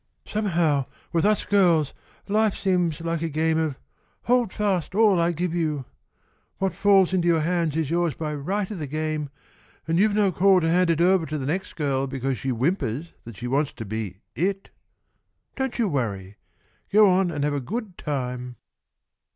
Somehow, with us girls, life seems like a game of 'Hold fast all I give you.' What falls into your hands is yours by right of the game, and you've no call to hand it over to the next girl because she whimpers that she wants to be 'it.' Don't you worry. Go on and have a good time."